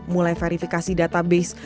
mulai verifikasi database